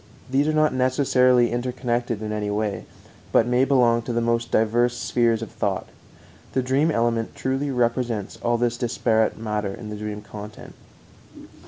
These are not necessarily interconnected in any way, but may belong to the most diverse spheres of thought. The dream element truly represents all this disparate matter in the dream content.